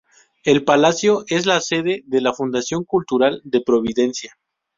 El palacio es la sede de la Fundación Cultural de Providencia.